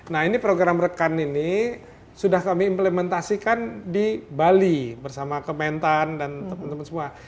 nah ini program rekan ini sudah kami implementasikan di bali bersama kementan dan teman teman semua